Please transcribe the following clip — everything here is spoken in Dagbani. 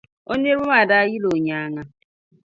O niraba maa daa yila o nyaaŋa.